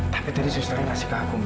tapi tadi susternya ngasih ke aku mi